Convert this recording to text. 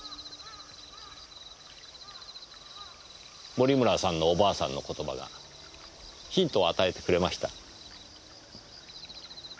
森村さんのおばあさんの言葉がヒントを与えてくれました。